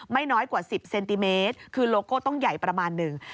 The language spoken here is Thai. น้อยกว่า๑๐เซนติเมตรคือโลโก้ต้องใหญ่ประมาณหนึ่ง